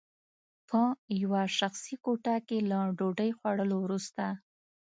په یوه شخصي کوټه کې له ډوډۍ خوړلو وروسته